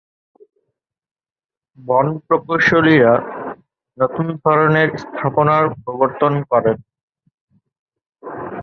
বন প্রকৌশলীরা নতুন ধরনের স্থাপনার প্রবর্তন করেন।